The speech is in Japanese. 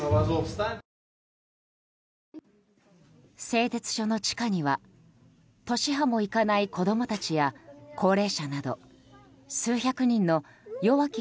製鉄所の地下には年端もいかない子供たちや高齢者など数百人の弱き